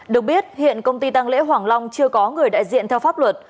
được biết hiện công ty tăng lễ hoàng long chưa có người đại diện theo pháp luật